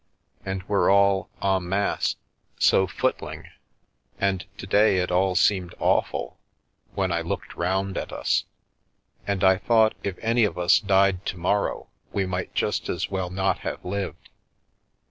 And we're all — en masse — so footling. And to day it all seemed awful — when I looked round at us. And I thought if any of us died to morrow, we might just as well not have lived.